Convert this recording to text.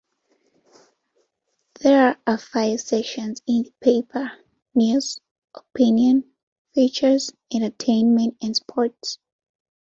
There are five sections in the paper: news, opinion, features, entertainment, and sports.